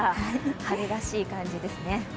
春らしい感じですね。